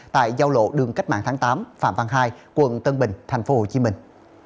tại giao lộ đường cách mạng tháng tám phạm văn hai quận tân bình thành phố hồ chí minh